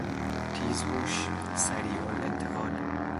تیزهوش، سریعالانتقال